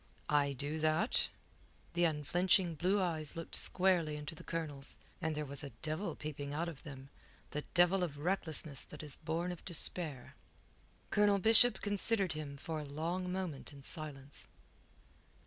"I do that." The unflinching blue eyes looked squarely into the Colonel's, and there was a devil peeping out of them, the devil of recklessness that is born of despair. Colonel Bishop considered him for a long moment in silence.